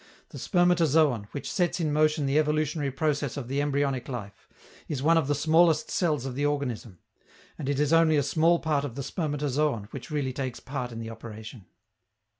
The spermatozoon, which sets in motion the evolutionary process of the embryonic life, is one of the smallest cells of the organism; and it is only a small part of the spermatozoon which really takes part in the operation.